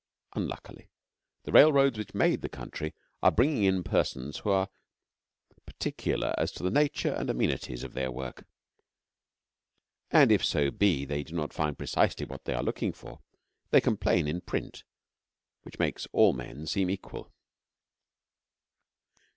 Unluckily the railroads which made the country are bringing in persons who are particular as to the nature and amenities of their work, and if so be they do not find precisely what they are looking for, they complain in print which makes all men seem equal.